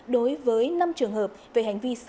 đối với năm trường hợp về hành vi sử dụng